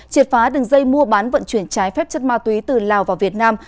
triệt phá đường dây mua bán vận chuyển trái phép chất ma túy từ lào vào việt nam